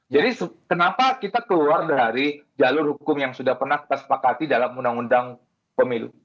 jadi kenapa kita keluar dari jalur hukum yang sudah pernah kita sepakati dalam undang undang pemilu